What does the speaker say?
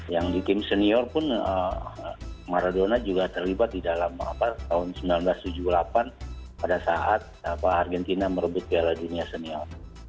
yang di tim senior pun maradona juga terlibat di dalam tahun seribu sembilan ratus tujuh puluh delapan pada saat argentina merebut piala dunia senior